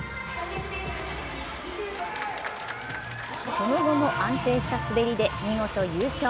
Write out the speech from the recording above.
その後も安定した滑りで見事優勝。